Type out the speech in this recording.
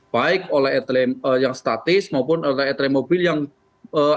baik oleh yang statis maupun oleh etelemobil yang akan berjalan